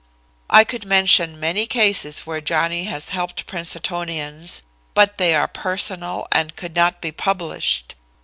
I could mention many cases where Johnny has helped Princetonians, but they are personal and could not be published.